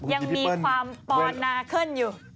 ยังมีความปอนนาเคิลอยู่